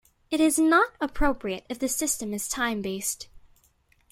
It is not appropriate if the system is time-based.